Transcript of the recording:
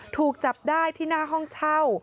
ถูกจับได้ที่หน้าห้องเช่า